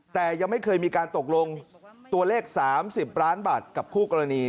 แต่ยังไม่เคยมีการตกลงตัวเลข๓๐ล้านบาทกับคู่กรณี